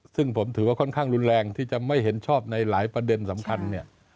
ซึ่งผมถือว่าค่อนข้างรุนแรงที่จะไม่เห็นชอบในหลายประเด็นสำคัญเนี่ย